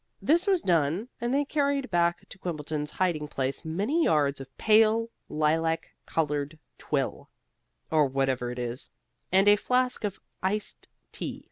This was done, and they carried back to Quimbleton's hiding place many yards of pale lilac colored twill (or whatever it is) and a flask of iced tea.